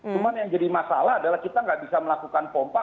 cuma yang jadi masalah adalah kita nggak bisa melakukan pompa